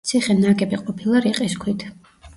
ციხე ნაგები ყოფილა რიყის ქვით.